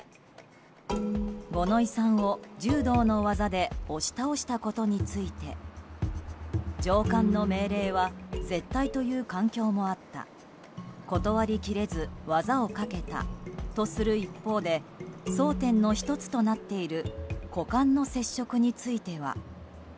五ノ井さんを柔道の技で押し倒したことについて上官の命令は絶対という環境もあった断り切れず技をかけたとする一方で争点の１つとなっている股間の接触については。